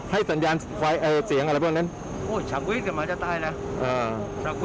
ให้สัญญาณฟ้ายเอ่อเสียงอะไรพวกนั้นโอ้ยจะมาจะตายแล้วอ่า